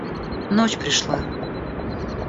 Ночь пришла.